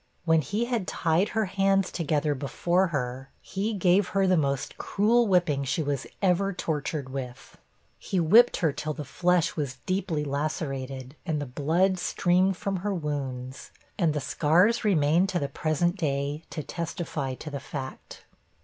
When he had tied her hands together before her, he gave her the most cruel whipping she was ever tortured with. He whipped her till the flesh was deeply lacerated, and the blood streamed from her wounds and the scars remain to the present day, to testify to the fact.